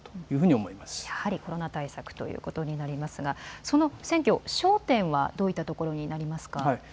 やはりコロナ対策ということになりますが、その選挙、焦点はどういったところになりますか。